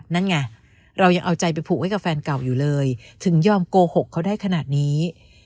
นั่นไงเรายังเอาใจไปผูกไว้กับแฟนเก่าอยู่เลยถึงยอมโกหกเขาได้ขนาดนี้